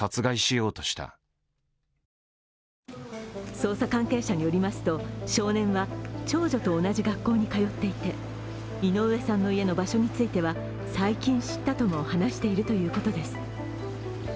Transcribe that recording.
捜査関係者によりますと、少年は長女と同じ学校に通っていて井上さんの家の場所については最近知ったとも話しているということです。